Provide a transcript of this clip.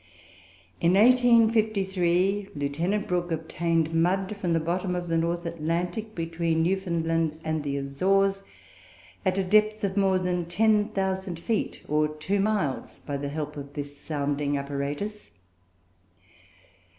In 1853, Lieut. Brooke obtained mud from the bottom of the North Atlantic, between Newfoundland and the Azores, at a depth of more than 10,000 feet, or two miles, by the help of this sounding apparatus.